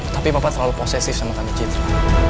tapi papa terlalu posesif sama tante citra